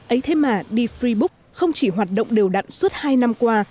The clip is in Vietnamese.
ấy thế mà đi freebook không chỉ hoạt động đều đặn suốt hai năm qua